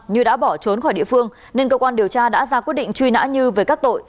như đã bỏ trốn khỏi địa phương nên cơ quan điều tra đã ra quyết định truy nã như về các tội